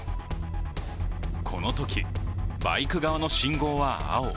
このとき、バイク側の信号は青。